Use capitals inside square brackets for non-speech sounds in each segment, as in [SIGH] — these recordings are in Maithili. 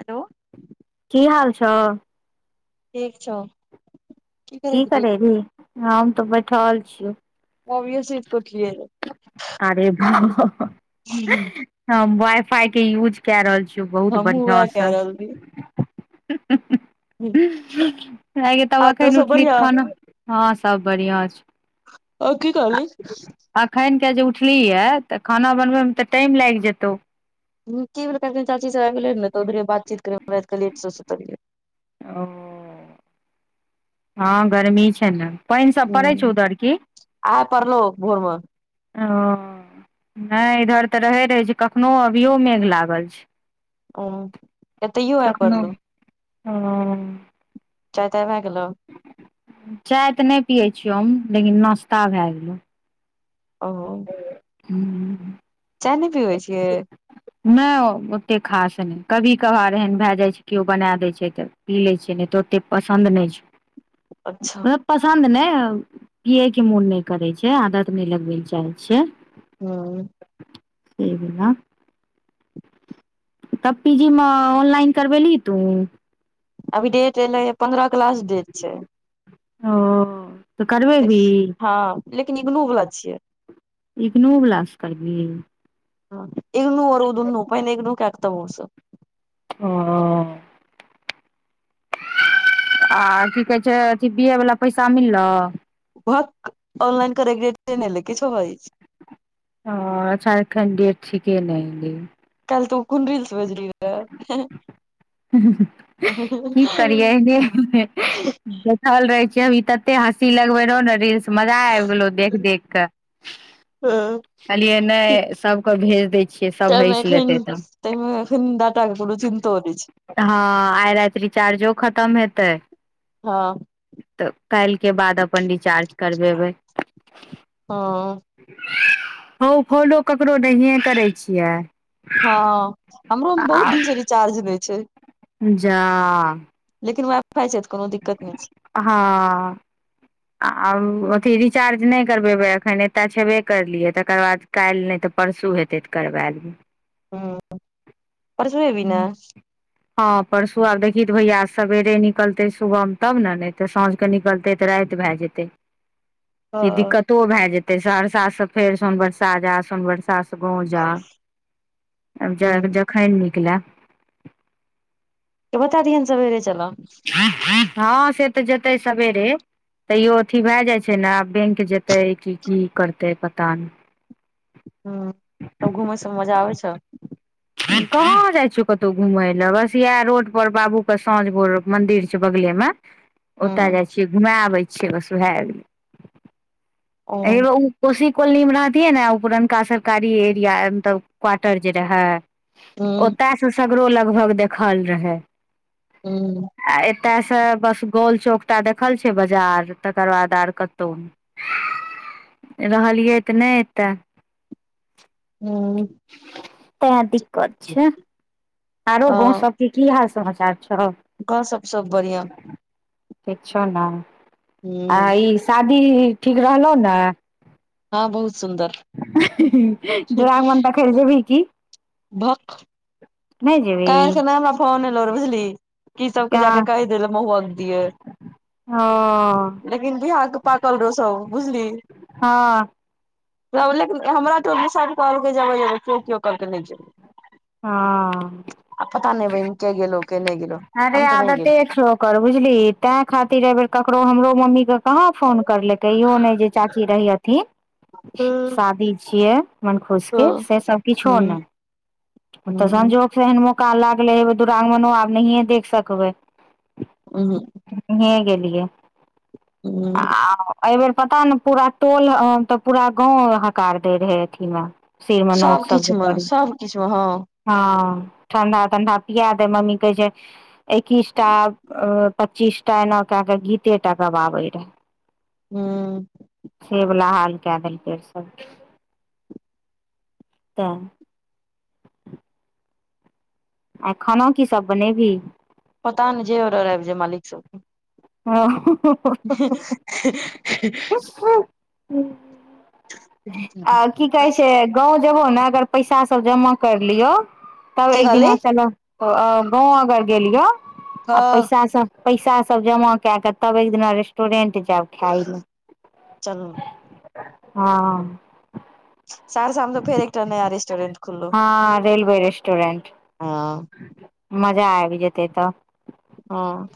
हेलो की हाल छ ठीक छौ की करैत रही करै री हम तऽ बैठल छीयो ऑबिय सुती कें उठिलऐ रहा अरे भा हह हुँ हँ वाइ फाइके यूज कए रहल छिय बहुत हमहुँ वएह बढ़िआँसँ कै रहल हुँ रहियै हुँहह अंए गे तब आरो एखन सब उठलिह बढ़ियां खाना हँ सभ बढ़िआँ छै अ की कहलि अखैन के जे उठली य तऽ खाना बनबैमे तऽ टाइम लागि जेतौ की भेलै चाची सब आब गेले नेऽरे त उधरे बातची कर कलेट स सुतलियै ओ हँ गर्मी छै ने पैन सब पड़ै छौ हूँ उधर की आइ पड़लौ भोर मे ओ नहि इधर तऽ रहैत रहै छै कखनो अभियो मेघ लागल छै ओ एतऽ यू आय पड़लो हँ अ चाय ताय भए गेलो चाय तऽ नहि पियै छियौ हम लेकिन नाश्ता भए गेलौ ओ हुँ चाय नै पीबे छियै नहि ओतेक खास नहि कभी कभार एहन भए जाइत छै केओ बना दै छै तऽ पी लै छै नहि तऽ ओते पसन्द नहि छैउ अच्छा पसन्द नहि पियए के मोन नहि करै छै आदत नहि लगबै ल चाहै छिय हुँ स ने [INAUDIBLE] तब पी जी म ऑनलाइन करबेलही तू अभी डेट एलै ह पन्द्रह क लास्ट डेट छै हओ हँ लेकिन इगनू वला छियै इगनूं बलाासँ करबीहीं हँ इगनू ओर उ दुनू पहिने इगनू कय क तब उ सब अ -अ आ की कहे छै अथी बीए वला पैसा मिललो भक ऑनलाइन करैके डेट ने एलय किछो बाजय छिही आ चार कैंडिडेट छिके नहि मिल कलिह तू कोन रील्स भेजलीही रहए हह हँहँ हह की करियै हँ हह सूतल रहे छै ई तते हँसी लगबे रहौ रीलस मजा आबि गेलो देख देख कऽ कहलियए नहि सबकअ भेज दै छियै सभ हँसि लेतै तब तमे एखन डाटा के कोनों चिन्तो नै छै हँ आय राति रिचार्जो खत्म हेतै हँ तऽ काल्हिके बाद अपन रिचार्ज करबेबै हँ ह फोनो ककरो नहिए करै छियै हँ हमरो मे बहुत आ दिन से रिचार्ज नै छै जा लेकिन वाईफाइ छै त कोनो दिक्कत नहि छै हँ आ अथी रिचार्ज नहि करबेबै अखन एतय छेबे करलियै तकर बाद काल्हि नहि तऽ परसू हेतै तऽ करबा देबै ह परसू एबी ने [UNINTELLIGIBLE] हँ परसू आब देखी त भैया सवेरे निकलते सुबह तब ने ने ते साँझ के निकलते ते राति भए जेतै ह दिक्कत तो भए जेते सहरसा से फेर सोन बरसा जा सोन बरसा गाव जा ह जखैन निकले के बता दियनि सबेरे चलऽ हँ से तऽ जेतै सबेरे तैयो अथी भए जाइ छै ने आब बेंक जेतै कि की करतै पता नहि ह तब घूमे सब मजा आबै छौ कहाँ जाइ छिय कतहु घुमय ले बस इएह रोड पर बाबू के साँझ भोर मंदिर छै बगले में ह ओतय जाइ छियै घुमे आबै छियै बस उह गेलै ओ एहि कोशी कॉलोनीमे रहतियै ने ओ पुरनका सरकारी एरिया मतलब क्वार्टर जे रहै ह ओतयसँ सगरो लगभग देखल रहै हू आ एतय से बस गोल चौक टा देखल छै बाजार तकर बाद आर कतहु रहलियै तऽ नहि एतय हू अच्छा आरो गाँव सबके की हाल समाचार छौ कह सबसँ बढ़िआं ठीक छौ ने ह आ ई शादी ठीक रहलहु ने हँ बहुत सुन्दर हं हुं हुं द्विरागमन देखैलेल जेवहि की भक नै जेबही कल्हि खेना हमरा फोन एलो र बुझली की सबके जा हँ कऽ कहि दिलै महुअक दिले ह लेकिन बिहाक पाकल रहौ सब बुझली हँ तब लेकिन हमरा टोल दिसासं कहल जेबै जेबै केओ केओ कहलक नहि जेबै हँ आब पता नहि बहिन के गेलहो के नहि गेलो अरे हम तऽ नहि आदते गेल छौ एकर बुझली तें खातिर एहि बेर ककरो हमरो मम्मी क कहाँ फोन करलकै इहो नहि जे चाची रही अथिन हूँ शादी छियै मन खुश के हँ से सब किछो नहि ओ तऽ हूँ संजोगसँ एहन मौका लागलै हे दुिरागमनो आब नहिए देख सकबै उहुं नहीये गेलियै हूं आ एहिबेर पता नै पूरा टोल अं तऽ पूरा गाँव हकार दै रहै अथीमे सिरमे नोउत सब किछ जे मे परै सब किछु हँ हँ ठण्डा तण्डा पिया दब मम्मी कहै छै एकिसटा अ पच्चीस टा एना क्याक गीते टा गबाबे रहै हूँ से वला हाल कय देलकै तऽ आय खाना की सभ बनेवहि पता नहि जे ऑर्डर आबि जाइ मालिक सबके हँहह हं हं हं हं हूँ [INAUDIBLE] गाँव जेबहो ने अगर पैसा सब जमा करिलियो तब की एक कहली दिना चलऽ आ--गाँव अगर गेलियो आ हँ पैसा सब पैसा सब जमा कैयाकअ तब एक दिना रेस्टरेंट जाबि खायला चलू हँ सहरसामे तअ फेर एकटा नया रेस्टोरेंट खुललौ हँ रेलवे रेस्टोरेंट हँ मजा आबि जेतै तऽ हँ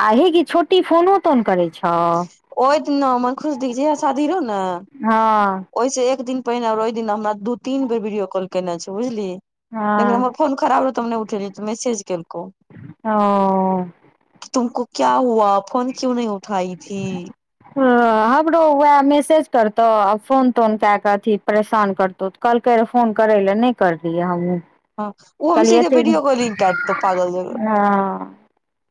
आ हेगे छोटी फोनो तोन करै छौ ओहि दिना मन खुश दी कें जाहिया शादी रहौ न हँ ओहिस एक दिन पहिने ओहि दिन हमरा दू तीन बेर वीडियो कॉल केने छौ बुझलिहि लेकिन हँ हमर फोन खराब रहौ तअ हम नहि उठेलियो तऽ मैसेज केलकौ हँ अ तुमको क्य हुआ फोन क्यो नहि उठाई थी ह हमरो वएह मैसेज करतौ आ फोन तोन क्या कऽ अथी परेशान करतौ कहलकै रहे फोन करै लए नहि करलहि हमहूँ हँ ओ हम कहलियए सीधे एते दिन वीडियो कॉलिंग कै देतौ पागल जकाँ सं ह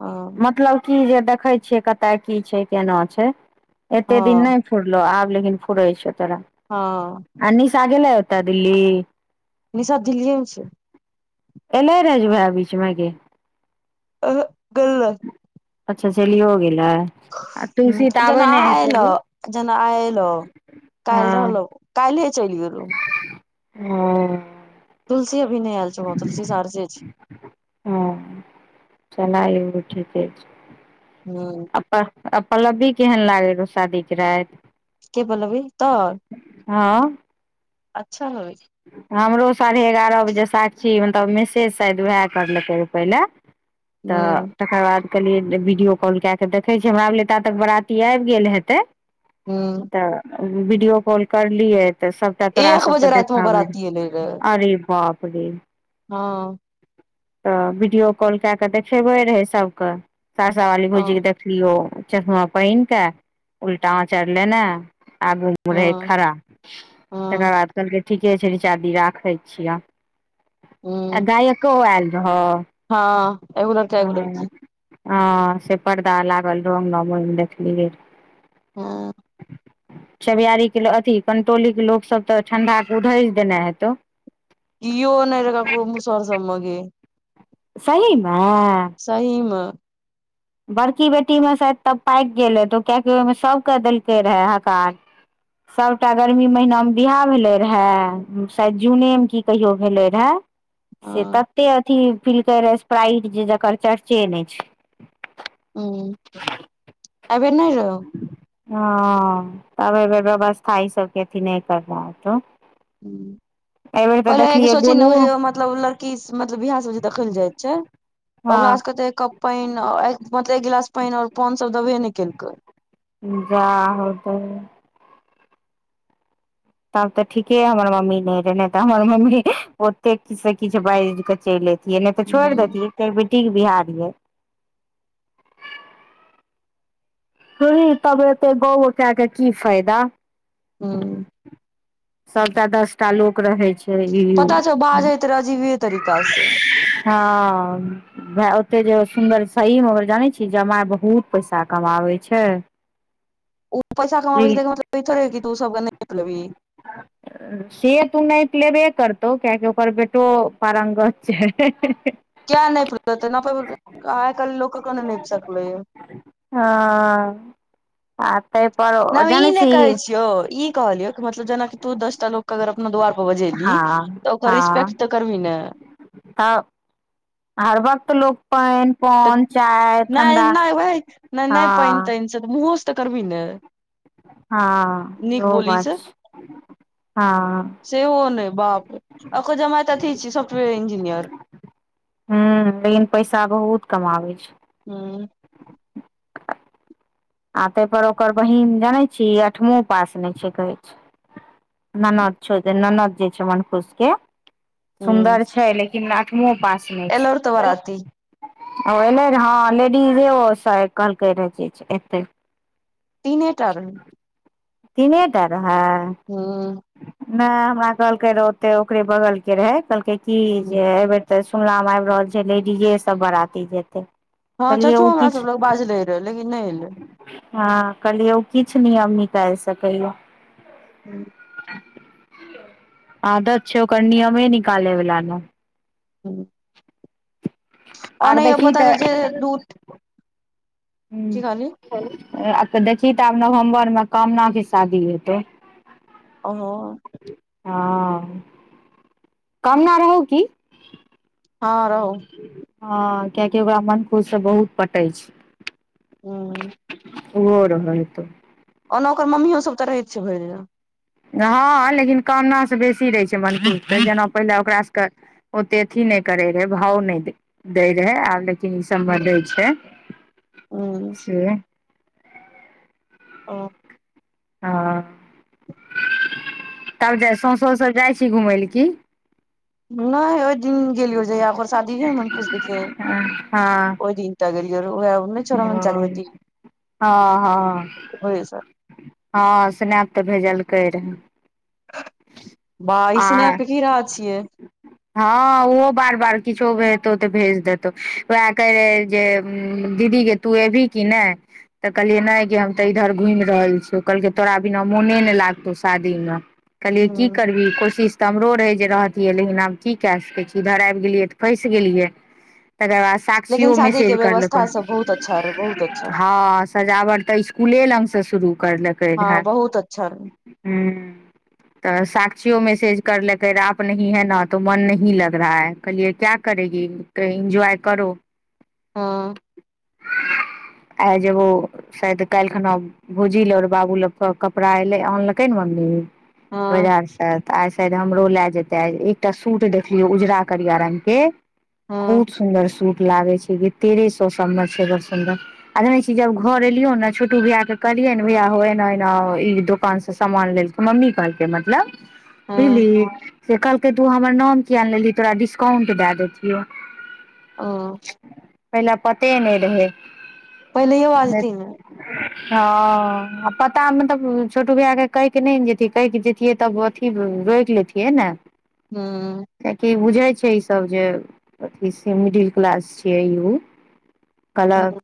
हँ मतलब की जे देखै छियै कतय की छै केना छै एतेक दिन हँ नहि फूरलो आब लेकिन फुरै छौ तोरा हँ आ निशा गेले ओत दिल्ली निशा दिल्लीए मे छै एलै रहज ओहा बीचमे गे अं ह गेलए अच्छा चलियो गेलै आ तुलसी तऽ जेना आबै आ नहि हेतै एलो अभी जेना आ एलौ काल्ह रहलो कलिहे चलि गेलो हँ तुलसी अभी नहि आल छ तुलसी सहारसे छै हँ चलाइ एगो ठीके छै हुँ - अप अप्लब्बी केहन लागै रहौ शादीके राति के बोलबी तऽ हँ अच्छा रह हमरो साढ़े एगारह बजे साक्षी मतलब मैसेज शायद उएह कर लके रहै पहले तऽ हूं तकर बाद कहलियै वीडियो कॉल कए क तऽ देखै छियै हमरा लए ता तक बराती आब गेल हेतै हूँ तऽ वीडियो कॉल करलियै तऽ सबटा तोरा एक बजे सबके राति मे देखाबै बराती एलै रहे अरे बाप रे हँ तऽ वीडियो कॉल कए कऽ देखेबै रहै सभके सहरसा वाली हँ भौजीकेऽ देखै लिय चश्मा पहिन के उल्टा आचर लेने आगू रहै हँ खड़ा तकर हँ बाद कहलकै ठीके छै रीचादी राखै छियह आ हूं गायको आयल रहै हँ एगो लड़का एगो लड़की हँ से पर्दा लागल रहै अंगनि मे देखलियै रहै हँ छबयारी के अथी कंटोली के लोकसभ तऽ ठंडा के उधर देने हेतौ कियो नहि रहै ककरो मुसहर सब मे गै सहीमे सहीमे बड़की बेटीमे शायद तब पाक गेलै तऽ ओ कियाकि ओहिमे सभकेँ देलकै रहए हकार सभटा गर्मी महिनामे बियाह भेलै रहए शायद जूनेमे की कहियो भेलै रहए से हँ तते अथी पिल्के रहै स्प्राइट जे जकर चर्चे नहि छै हँ एहिबेर नुरो हँ आब एहिबेर व्यवस्था ई सबके अथी नहि करनाई हैतौ हूँ पहिले एहिके सोचहि न उ गोलुओ जे मतलब लड़की मतलब बीयाह सब जे देखै लऽ जाइत छै ओकरा हँ सब के पानी मतलब एक गिलास पानी और पान सब देबे ने केलकै बा हौ दैब तब तऽ ठीके हमर मम्मी नहि रहे ने तऽ हमर मम्मी ओते किछ से किछ बाजि के चैल अबितै नहि तऽ छोड़ि हूं देैतियै क बेटीके बिहा रहीयै रहै तब एते गौ गौ के कऽ की फायदा हूँ सभटा दस टा लोक रहै छै ई उ पता छौ बाजैत रहे अजीबे तरीका से हँ भाय ओते जे सुन्दर सहीमे ओ जानै छियै जमाइ बहुत पैसा कमाबै छै [INAUDIBLE] ओ पैसा कमाबै छै तेकर मतलब ई थोरे है की तू सबके नैत लबही ह [INAUDIBLE] से तऽ उ नैत लेबे करतौ किया कि ओकर बेटो पारंगत छै किये नापि लेतै नापै बेर मे आइ काल्हि लोक कोना नहि पचकलै हँ आ ताहि पर जानै छीही जे ई कहलियौ मतलब जेना कि तू दसटा लोक के अगर अपना द्वार पर बजेलही हँ तऽ ओकर रिस्पेक्ट तऽ करबी ने हँ हर वक्त लोक पानी पान चाय ठण्डा हाँ छै तऽ मुहोसँ तऽ करबी ने हँ नीक बोली सँ हाँ सेहो नै बाप रे ओकर जमाए तऽ अथी छै साफ्टवेयर इंजिनियर हूँ लेकिन पैसा बहुत कमाबै छै हुँ आ ताहि पर ओकर बहीन जानै छीही आठमो पास नहि छै कहै छै ननद छौ ओ ननद जे छै मन खुश के हूँ सुन्दर छै ना आठमो पास नहि छै एलौर तऽ बराती ओ एलै हँ लेडीजो कहलको रहल एतै तीने टा रहै तीने टा रहै हुं नहि हमरा कहलकै रह ओते ओकरे बगलके रहे कहलकै की हूँ जे एहिबेर तऽ सुनला मे आबि रहल छै लेडीजे सब बराती जेतै हाँ चच्चो हमरा सब लग बाजले रहे लेकिन नहि एलै हाँ कहलियै ओ किछु नीयम निकालि सकैय हूँ आदत छै ओकर नियमे निकालै वाला ने हँ आर अनैय देखी पता तऽ जे दूध की कहली ह आ तऽ देखही तऽ आब नवम्बर मे कामना के शादी हेतौ ओ हाँ कमना रहौ की हाँ रहौ हाँ किया की ओकरा मनखुश से बहुत पटै छै हुं और रहत ओना ओकर मम्मीयो सब तऽ रहैत छै भरि दिना हाँ लेकिन कामना सँ बेसी रहै छै मनखुश जेना पहिले ओकरा सभ के ओते अथी नहि करे रहे भाव नहि दय रहे आब लेकिन तीन समबर दै छै हूँ से ओ हाँ तब जा सौउसोस जाइ छी घूमय लए की नहि ओहि दिन गेलियो ओ जे अकर शादी रहय न खुशी के हँ हँ ओहि दिन गेलियरहे ओए नहि रोहण चच्चा के बेटी हाँ स्नैप तऽ भेजलकै रहए बा स्नेप हीरा छियै हाँ ओहो बार बार किछो भेजतौ तऽ भेज देतहु वएह कहै रहे जे दीदी के तू अबही कि नहि तऽ कहलियै नहि कि हम तऽ इधर घुमि रहल छियौ कहलकै तोरा बिना मोने नहि लागतौ शादी में कलियए की हूँ करबी कोशिश तऽ हमरो रहे जे रहतियै लेकिन आब की क सकै छी इधर आबि गेलियै तऽ फसि गेलियै तकर बाद साक्षी लेकिन ओ शादी के मेसेज करल को व्यवस्था सब बहुत अच्छा र बहुत अच्छा सजावट तऽ स्कुले लगसँ शुरू करलकै रहए हँ बहुत अच्छा रहै हँ तऽ साक्षियो मेसेज करलेकै रहे आप नहीं है न तो मन नही लग रहा है कहलिए क्या करेगी त इन्जॉय करो हँ आ जेगो शायद काल्हि खना भौजिल आर बाबू ल कपड़ा एलै आनलकै ने मम्मी हँ बाजार स त तऽ आइ शायद हमरो लए जेते आ एकटा सूट देखलियौ उजरा करिया रंग के हँ खहुत सुन्दर सूट लागै छै जे तेरे सए सबमे छै बड़ सुन्दर आ जनै छी जब घर एलियौ ने छोटू भैया के कहलियै ने भैया हो एना एना ई दोकान से सामान लेलकै मम्मी कहलके मतलब हँ बुझलिही से कहलकै तू हमर नाम किया नहि लेलही तोरा डिस्काउंट दए देतियौ ओ - पहिले पते नहि रहै पहिलहियो आवाज दी न [INAUDIBLE] हँ आ पता मे तब छोटू भैया के कहिके नहि ने जतियै कहिके जतियै तब अथी रोकि लेतियै ने हुँ कियकि बुझे छै ई सब जे अथी मिडिल क्लास छिये इहो हूँ कलक